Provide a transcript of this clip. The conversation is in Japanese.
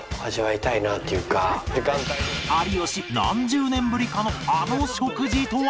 有吉何十年ぶりかのあの食事とは！？